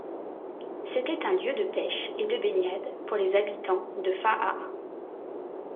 C'était un lieu de pêche et de baignade pour les habitants de Fa'a'ā.